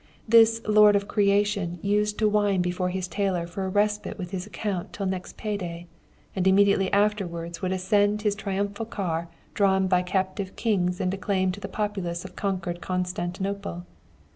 This 'lord of creation' used to whine before his tailor for a respite with his account till next pay day, and immediately afterwards would ascend his triumphal car drawn by captive kings and declaim to the populace of conquered Constantinople.